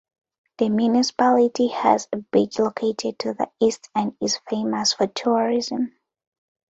The municipality has a beach located to the east and is famous for tourism.